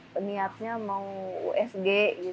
peniatnya mau usg